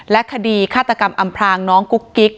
คดีฆาตกรรมอำพลางน้องกุ๊กกิ๊ก